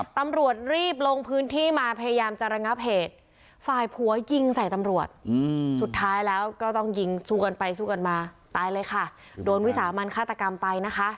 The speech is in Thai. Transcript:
ตำรวจรีบลงพื้นที่มาพยายามจะระงับเหตุฝ่ายผัวยิงใส่ตำรวจสุดท้ายแล้วก็ต้องยิงสู้กันไปสู้กันมาตายเลยค่ะโดนวิสามันฆาตกรรมไปนะคะ